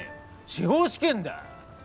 司法試験だ。